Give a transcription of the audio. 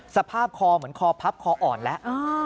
สภาพคอเหมือนคอพับคออ่อนแล้ว